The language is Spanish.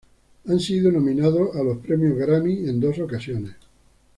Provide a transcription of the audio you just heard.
Han sido nominados a los Premio Grammy en dos ocasiones.